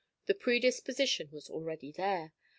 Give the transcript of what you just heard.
The predisposition was already there.